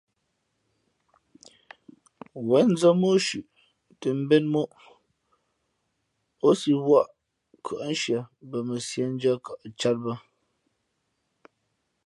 Wěn nzᾱ mǒ shʉ̄ tᾱ mbēn moʼ, ǒ si wᾱʼ khʉάnshie mbα mα sīēndʉ̄ᾱ kαʼ cāt bᾱ.